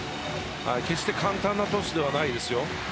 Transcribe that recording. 決して簡単なトスではないですよ。